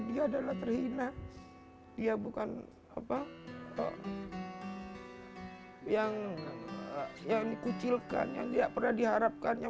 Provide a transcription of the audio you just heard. dia adalah terhina dia bukan apa yang yang dikucilkan yang dia pernah diharapkan yang